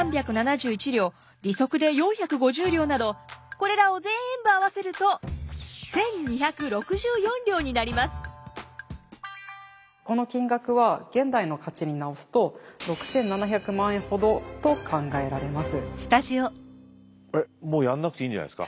これらをぜんぶ合わせるとこの金額は現代の価値になおすと６，７００万円ほどと考えられます。